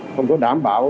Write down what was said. không có đảm bảo